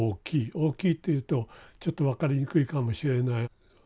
大きいっていうとちょっと分かりにくいかもしれない。